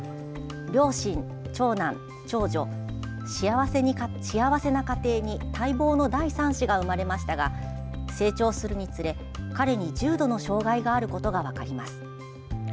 両親、長男、長女幸せな家庭に待望の第３子が生まれましたが成長するにつれ、彼に重度の障害があることが分かります。